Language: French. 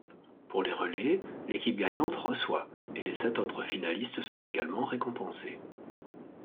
Pour les relais, l'équipe gagnante reçoit et les sept autres finalistes sont également récompensés.